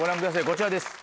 こちらです。